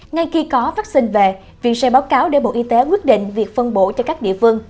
ngay khi có vaccine về viện sẽ báo cáo để bộ y tế quyết định việc phân bổ cho các địa phương